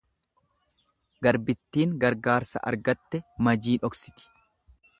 Garbittiin gargaarsa argatte majii dhoksiti.